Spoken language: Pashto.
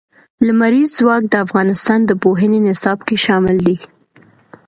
لمریز ځواک د افغانستان د پوهنې نصاب کې شامل دي.